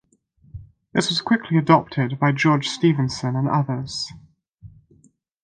This was quickly adopted by George Stephenson and others.